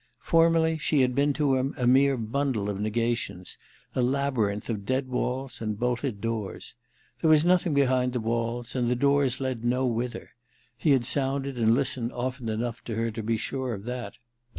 Formerly she had been to him a mere bundle of negations, a labyrinth of dead walls and bolted doors. There was nothing behind the walls, and the doors led nowhither : he had sounded and listened often enough to be sure of that.